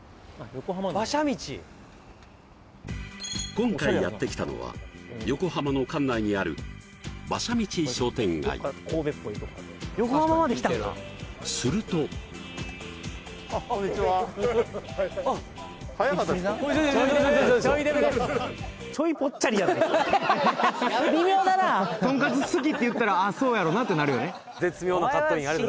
今回やって来たのは横浜の関内にある馬車道商店街するとこんにちは「とんかつ好き」って言ったら「ああそうやろな」ってなるよね